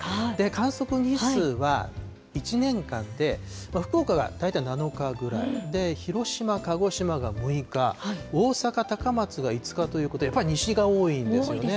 観測日数は、１年間で福岡が大体７日ぐらいで、広島、鹿児島が６日、大阪、高松が５日ということで、やっぱり西が多いんですよね。